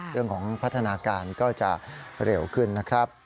เรื่องของพัฒนาการก็จะเร็วขึ้นนะครับ